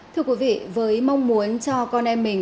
thưa quý vị với mong muốn cho con em mình